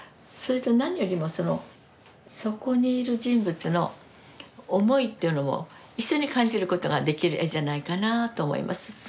それと何よりもそのそこにいる人物の思いっていうのも一緒に感じることができる絵じゃないかなあと思います。